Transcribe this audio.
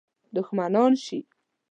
دښمنان شي.